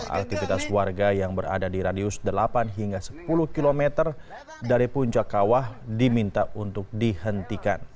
aktivitas warga yang berada di radius delapan hingga sepuluh km dari puncak kawah diminta untuk dihentikan